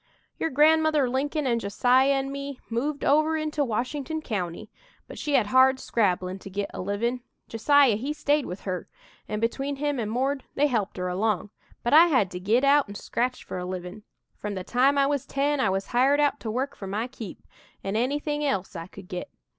"Your grandmother Lincoln an' Josiah an' me moved over into Washington County, but she had hard scrabblin' to git a livin'. Josiah he stayed with her, an' between him an' 'Mord,' they helped her along, but I had to git out and scratch for a livin'. From the time I was ten I was hired out to work for my 'keep,' an' anything else I could git.